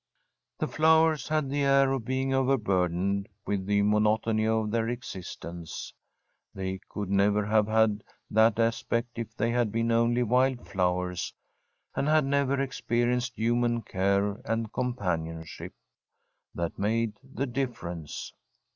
The flowers had the air of being overburdened with the monotony of their existence. They could never have had that aspect if they had been only wild flowers and had never experienced human care and companionship. That made the difference.